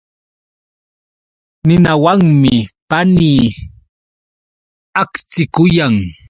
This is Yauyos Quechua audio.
Ninawanmi panii akchikuyan.